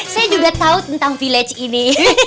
saya juga tahu tentang village ini